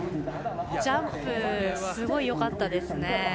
ジャンプすごいよかったですね。